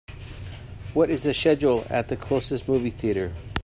What is the schedule at the closest movie theatre?